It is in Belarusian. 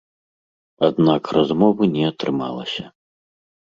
Аднак размовы не атрымалася.